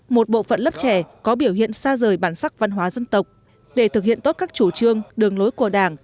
một bộ phận lớp trẻ có biểu hiện xa rời bản sắc văn hóa dân tộc để thực hiện tốt các chủ trương đường lối của đảng